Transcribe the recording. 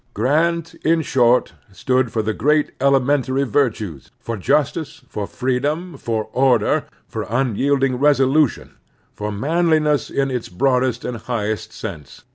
Grant, in short, stood for the great elementary virtues, for justice, for freedom, for order, for unyielding resolution, for manliness in its broadest and highest sense.